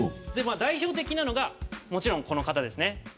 代表的なのがもちろんこの方です